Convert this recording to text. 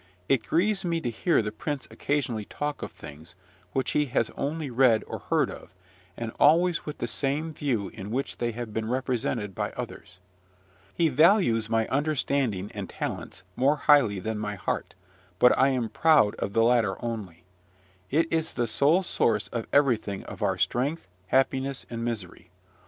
It grieves me to hear the prince occasionally talk of things which he has only read or heard of, and always with the same view in which they have been represented by others. He values my understanding and talents more highly than my heart, but I am proud of the latter only. It is the sole source of everything of our strength, happiness, and misery.